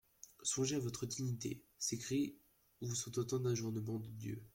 Songez à votre dignité ; ces cris vous sont autant d'ajournements de Dieu.